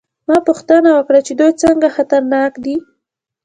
ما پوښتنه وکړه چې دوی څنګه خطرناک دي